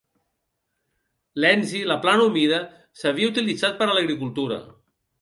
Lenzie, la "plana humida" s'havia utilitzat per a l'agricultura.